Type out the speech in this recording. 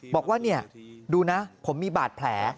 บอกว่าดูนะผมมีบาดแผล